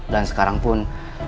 dan sekarang pun